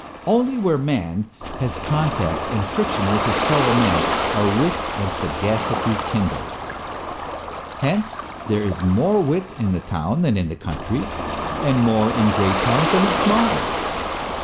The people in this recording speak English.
Only where man has contact and friction with his fellow man are wit and sagacity kindled ; hence there is more wit in the town than in the country, more in great towns than in small ones.